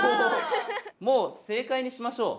もう正解にしましょう。